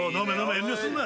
遠慮すんな。